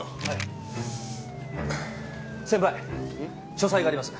書斎があります。